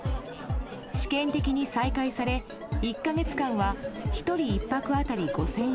試験的に再開され、１か月間は１人１泊当たり５０００円